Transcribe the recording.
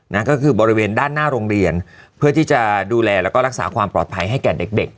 นั่นก็คือบริเวณด้านหน้าโรงเรียนเพื่อที่จะดูแลแล้วก็รักษาความปลอดภัยให้แก่เด็กเด็ก